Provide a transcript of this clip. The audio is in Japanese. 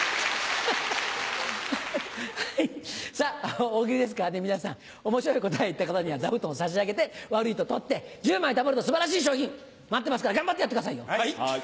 はいさぁ大喜利ですからね皆さん面白い答えを言った方には座布団を差し上げて悪いと取って１０枚たまると素晴らしい賞品待ってますから頑張ってやってくださいよ。